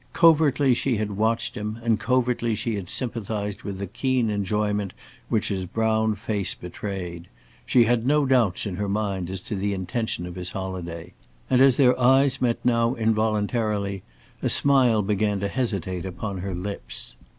Covertly she had watched him, and covertly she had sympathized with the keen enjoyment which his brown face betrayed. She had no doubts in her mind as to the intention of his holiday; and as their eyes met now involuntarily, a smile began to hesitate upon her lips.